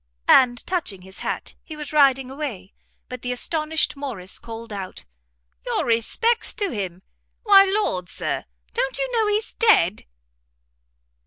And, touching his hat, he was riding away; but the astonished Morrice called out, "Your respects to him? why lord! Sir, don't you know he's dead?"